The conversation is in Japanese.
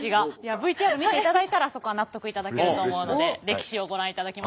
ＶＴＲを見ていただいたらそこは納得いただけると思うので歴史をご覧いただきましょう。